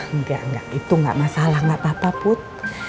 enggak enggak itu gak masalah gak apa apa put